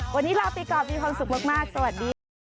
วันนี้ลาไปก่อนมีความสุขมากสวัสดีค่ะ